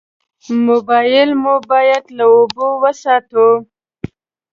موبایل مو باید له اوبو وساتو.